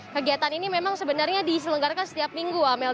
kegiatan ini memang sebenarnya diselenggarakan setiap minggu amel